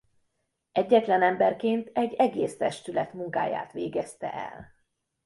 Egyetlen emberként egy egész testület munkáját végezte el.